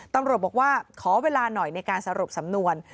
ตำรวจบอกว่าขอเวลาหน่อยในการสรุปสำนวน